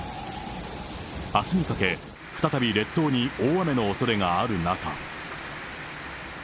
あすにかけ、再び列島に大雨のおそれがある中。